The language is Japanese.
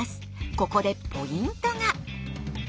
ここでポイントが。